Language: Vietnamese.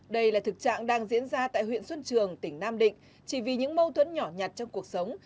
đây là thực trạng đang diễn ra tại huyện xuân trường tỉnh nam định chỉ vì những mâu thuẫn nhỏ nhặt trong cuộc sống